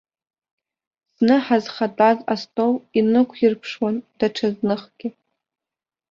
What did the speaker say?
Зны ҳазхатәаз астол инықәирԥшуан, даҽазныхгьы.